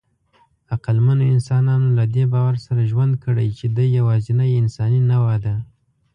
عقلمنو انسانانو له دې باور سره ژوند کړی، چې دی یواځینۍ انساني نوعه ده.